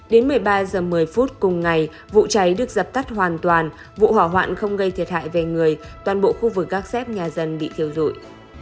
đến một mươi ba h một mươi phút cùng ngày vụ cháy được dập tắt hoàn toàn vụ hỏa hoạn không gây thiệt hại về người toàn bộ khu vực các xếp nhà dân bị thiêu rụi